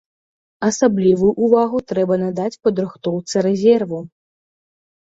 Асаблівую ўвагу трэба надаць падрыхтоўцы рэзерву.